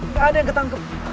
gak ada yang ketangkep